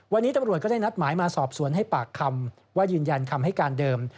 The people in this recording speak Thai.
วันนี้ตำรวจก็ได้นัดหมายมาสอบสวนให้ปากคำว่ายืนยันคำให้การเดิม